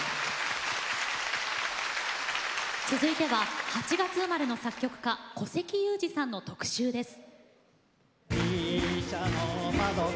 続いては８月生まれの作曲家古関裕而さんの特集です。